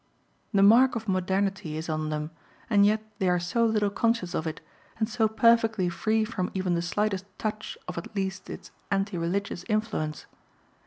The mark of modernity is on them, and yet they are so little conscious of it, and so perfectly free from even the slightest touch of at least its anti religious influence.